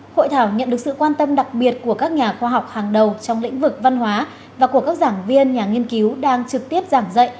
hội thảo nhận được sự quan tâm đặc biệt của các nhà khoa học hàng đầu trong lĩnh vực văn hóa và của các giảng viên nhà nghiên cứu đang trực tiếp giảng dạy